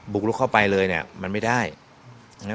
บุกลุกเข้าไปเลยเนี่ย